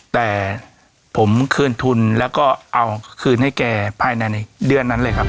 แต่ผมคืนทุนแล้วก็เอาคืนให้แกภายในเดือนนั้นเลยครับ